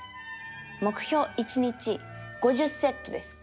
目標１日５０セットです。